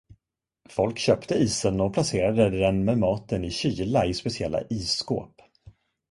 Folk köpte isen och placerade den med maten i kyla i speciella isskåp.